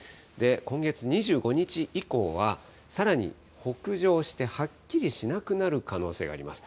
今月２５日以降は、さらに北上してはっきりしなくなる可能性があります。